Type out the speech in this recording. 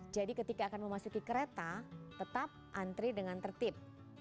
jadi ketika akan memasuki kereta tetap antri dengan tertib